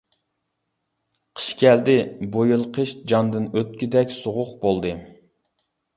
قىش كەلدى، بۇ يىل قىش جاندىن ئۆتكۈدەك سوغۇق بولدى.